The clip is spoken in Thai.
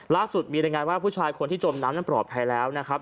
ล่าสุดมีรายงานว่าผู้ชายคนที่จมน้ำนั้นปลอดภัยแล้วนะครับ